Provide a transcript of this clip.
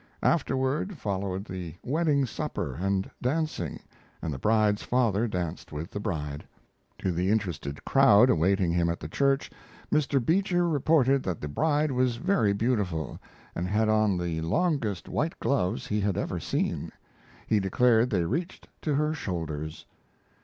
Afterward followed the wedding supper and dancing, and the bride's father danced with the bride. To the interested crowd awaiting him at the church Mr. Beecher reported that the bride was very beautiful, and had on the longest white gloves he had ever seen; he declared they reached to her shoulders.